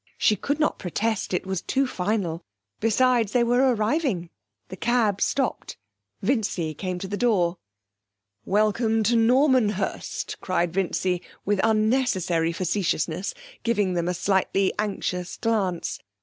She could not protest; it was too final; besides, they were arriving; the cab stopped. Vincy came to the door. 'Welcome to Normanhurst!' cried Vincy, with unnecessary facetiousness, giving them a slightly anxious glance.